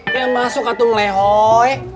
tidak masuk atung lehoi